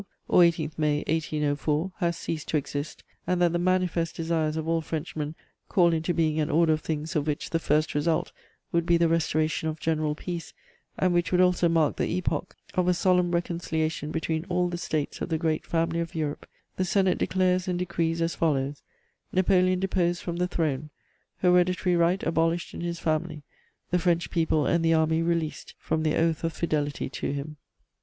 or 18 May 1804, has ceased to exist, and that the manifest desires of all Frenchmen call into being an order of things of which the first result would be the restoration of general peace, and which would also mark the epoch of a solemn reconciliation between all the States of the great family of Europe, the Senate declares and decrees as follows: Napoleon deposed from the throne; hereditary right abolished in his family; the French people and the army released from their oath of fidelity to him."